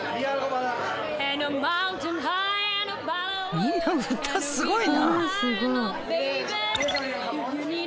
みんな歌すごいな。